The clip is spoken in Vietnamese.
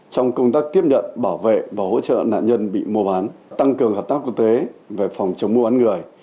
trong công tác tiếp nhận bảo vệ và hỗ trợ nạn nhân bị mua bán tăng cường hợp tác quốc tế về phòng chống mua bán người